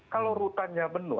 kalau rutannya penuh